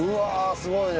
すごいね！